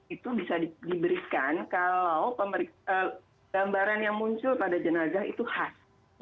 itu bisa diberikan kalau gambaran yang muncul pada jenazah itu khas